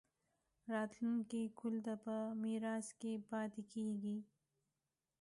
راتلونکي کهول ته پۀ ميراث کښې پاتې کيږي